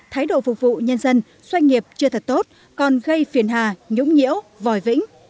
thái độ phục vụ nhân dân doanh nghiệp chưa thật tốt còn gây phiền hà nhũng nhiễu vòi vĩnh